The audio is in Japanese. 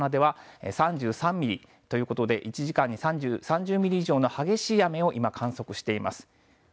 鼻では３３ミリということで、１時間に３０ミリ以上の激しい雨を今観測しています。